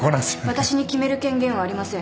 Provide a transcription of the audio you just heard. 私に決める権限はありません。